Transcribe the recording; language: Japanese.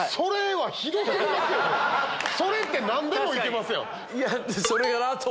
「それ」って何でもいけますやん！